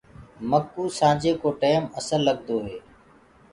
مڪُو سآنجي ڪو ٽيم اسل لگدو هي۔